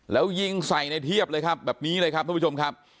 แล้วยิงใส่ในเทียบเลยครับแบบนี้เลยครับทุกผู้ชมครับ